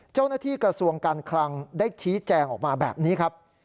เจ้าหน้าที่กระทรวงการคลังได้ชี้แจงออกมาแบบนี้ครับ